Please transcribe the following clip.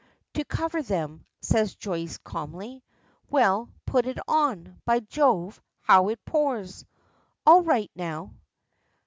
"To cover them," says Joyce calmly. "Well, put it on. By Jove, how it pours! All right now?"